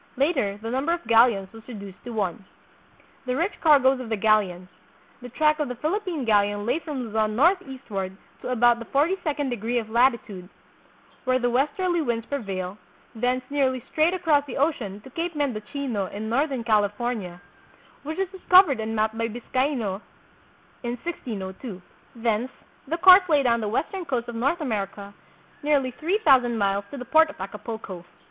Later the num ber of galleons was reduced to one. The Rich Cargoes of the Galleons. The track of the Philippine galleon lay from Luzon northeastward to about the forty second degree of latitude, where the westerly winds prevail, thence nearly straight across the ocean to Cape Mendocino in northern California, which was dis covered and mapped by Biscaino in 1602. Thence the course lay down the western coast of North America nearly three thousand miles to the port of Acapulco.